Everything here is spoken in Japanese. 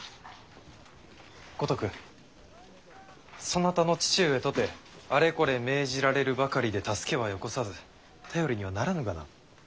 五徳そなたの父上とてあれこれ命じられるばかりで助けはよこさず頼りにはならぬがな。